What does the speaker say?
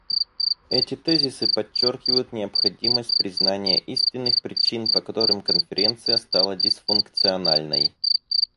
Эти тезисы подчеркивают необходимость признания истинных причин, по которым Конференция стала дисфункциональной.